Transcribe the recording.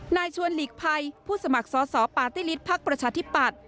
นายชวนหลีกไพรผู้สมัครสอสอปาติฤทธิ์พักประชาธิปัตย์